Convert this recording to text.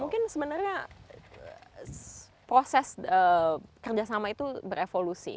mungkin sebenarnya proses kerjasama itu berevolusi